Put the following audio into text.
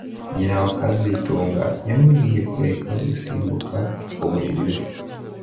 Nyina wa kazitunga yamubwiye kureka gusimbuka ku buriri bwe